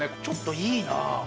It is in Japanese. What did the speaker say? ちょっといいな。